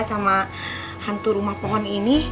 sama hantu rumah pohon ini